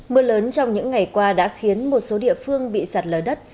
mưa lớn trong những ngày qua đã khiến một số địa phương bị sạt lở đất